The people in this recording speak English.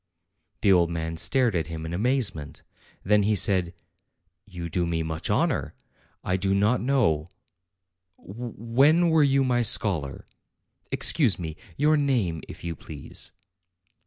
The old man stared at him in amazement. Then he said: "You do me much honor. I do not know when were you my scholar? Excuse me; your name, if you please."